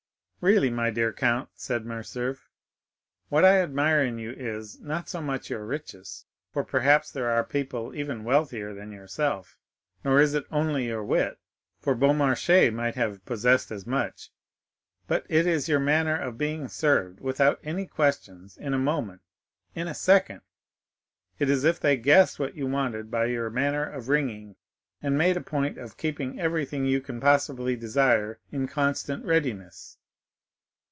"Really, my dear count," said Morcerf, "what I admire in you is, not so much your riches, for perhaps there are people even wealthier than yourself, nor is it only your wit, for Beaumarchais might have possessed as much,—but it is your manner of being served, without any questions, in a moment, in a second; it is as if they guessed what you wanted by your manner of ringing, and made a point of keeping everything you can possibly desire in constant readiness."